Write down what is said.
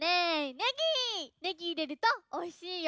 ネギいれるとおいしいよ。